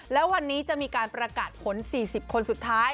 แล้ววันนี้จะมีการประกาศผล๔๐คนสุดท้าย